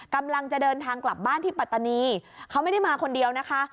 กำลังจะเดินทางกลับบ้านที่ปัตตานีเขาไม่ได้มาคนเดียวนะคะ